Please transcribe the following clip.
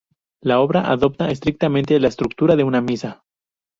La obra adopta estrictamente la estructura de una misa.